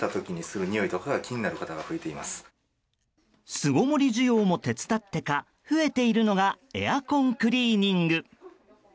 巣ごもり需要も手伝ってか増えているのがエアコンクリーニング。